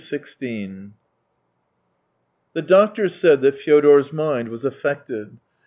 XVI The doctor said that Fyodor's mind was affected.